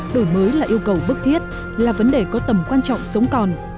đổi mới là yêu cầu bức thiết là vấn đề có tầm quan trọng sống còn